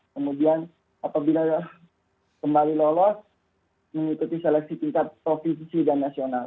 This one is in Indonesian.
kemudian apabila kembali lolos mengikuti seleksi tingkat provinsi dan nasional